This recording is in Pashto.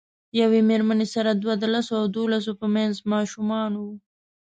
یوې میرمنې سره دوه د لسو او دولسو په منځ ماشومان وو.